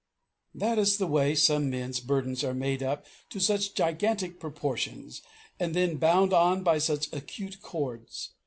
That is the way some men's burdens are made up to such gigantic proportions and then bound on by such acute cords.